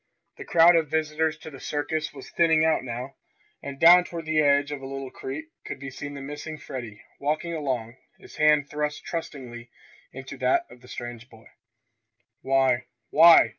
The crowd of visitors to the circus was thinning out now, and down toward the edge of a little creek could be seen the missing Freddie walking along, his hand thrust trustingly into that of the strange boy. "Why why!"